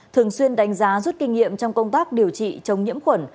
thường xuyên đánh giá rút kinh nghiệm trong công tác điều trị chống nhiễm khuẩn